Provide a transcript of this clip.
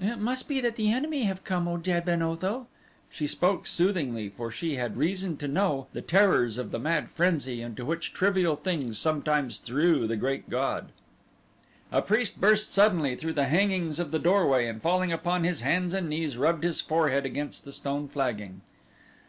"It must be that the enemy have come, O Jad ben Otho." She spoke soothingly for she had reason to know the terrors of the mad frenzy into which trivial things sometimes threw the Great God. A priest burst suddenly through the hangings of the doorway and falling upon his hands and knees rubbed his forehead against the stone flagging.